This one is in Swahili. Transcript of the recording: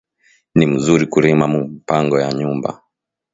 Ni muzuri ku rima mu mpango ya nyumba